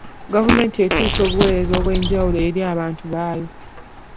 Gavumenti etuusa obuweereza obw'enjawulo eri abantu baayo.